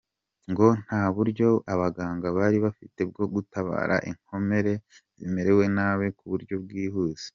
Ngo nta buryo abaganga bari bafite bwo gutabara inkomere zimerewe nabi ku buryo bwihuse.